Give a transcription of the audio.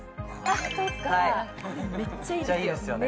これめっちゃいいですよね